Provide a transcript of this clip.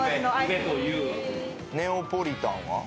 ネオポリタンは？